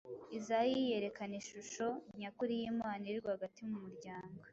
Izayi yerekana ishusho nyakuri y‟Imana iri rwagati mu muryango.